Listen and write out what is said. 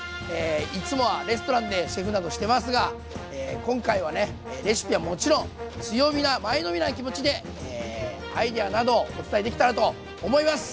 いつもはレストランでシェフなどしてますが今回はねレシピはもちろん強火な前のめりな気持ちでアイデアなどをお伝えできたらと思います！